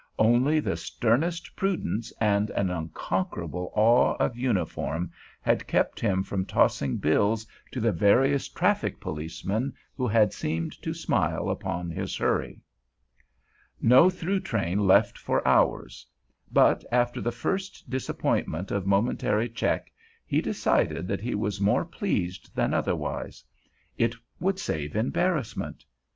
Only the sternest prudence and an unconquerable awe of uniform had kept him from tossing bills to the various traffic policemen who had seemed to smile upon his hurry. No through train left for hours; but after the first disappointment of momentary check, he decided that he was more pleased than otherwise. It would save embarrassment.